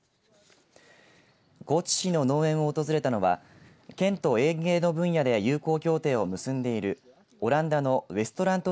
高知市の農園を訪れたのは県と園芸の分野で友好協定を結んでいるオランダのウェストラント